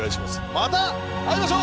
また会いましょう。